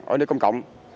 ở nơi công cộng